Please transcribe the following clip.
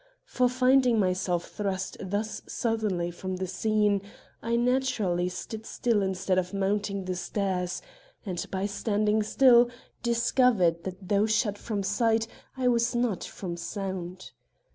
For, finding myself thrust thus suddenly from the scene, I naturally stood still instead of mounting the stairs, and, by standing still, discovered that though shut from sight I was not from sound.